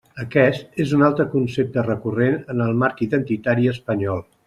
Aquest és un altre concepte recurrent en el marc identitari espanyol.